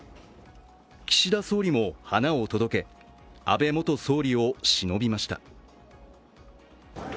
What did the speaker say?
岸田総理も花を届け、安倍元総理をしのびました。